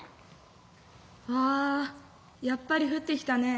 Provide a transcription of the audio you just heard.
「わやっぱり降ってきたね！